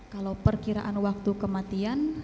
kalau perkiraan waktu kematian